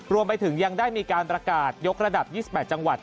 รวมไปถึงยังได้มีการประกาศยกระดับ๒๘จังหวัด